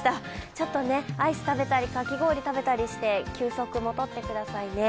ちょっとアイス食べたりかき氷食べたりして休息もとってくださいね。